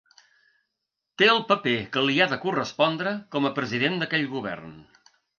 Té el paper que li ha de correspondre com a president d’aquell govern.